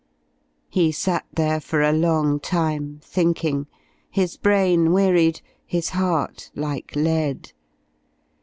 ... He sat there for a long time, thinking, his brain wearied, his heart like lead.